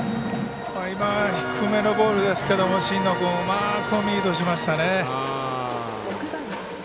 低めのボールですけど芯をうまくミートしましたね。